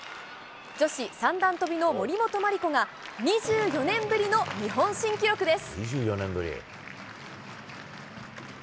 女子三段跳びの森本麻里子が、２４年ぶりの日本新記録です。